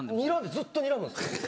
ずっとにらむんですよ。